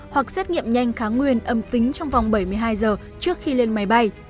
hoặc xét nghiệm nhanh kháng nguyên âm tính trong vòng bảy mươi hai giờ trước khi lên máy bay